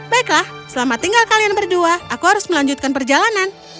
baiklah selamat tinggal kalian berdua aku harus melanjutkan perjalanan